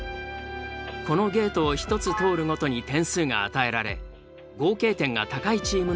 このゲートを１つ通るごとに点数が与えられ合計点が高いチームの勝利。